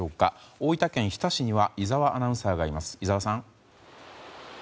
大分県日田市には井澤アナウンサーがいます。